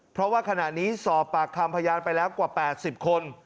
เพราะว่าขณะนี้สอบปากคำพยานไปแล้วกว่า๘๐คน